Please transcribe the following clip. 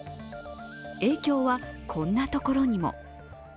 影響は、こんなところにも。